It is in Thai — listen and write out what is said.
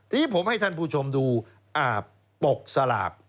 ทีนี้ผมให้ท่านผู้ชมดูปกสลาก